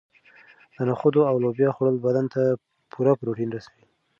د نخودو او لوبیا خوړل بدن ته پوره پروټین رسوي.